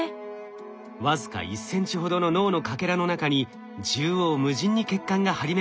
僅か１ｃｍほどの脳のかけらの中に縦横無尽に血管が張り巡らされています。